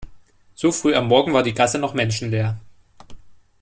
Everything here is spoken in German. So früh am Morgen war die Gasse noch menschenleer.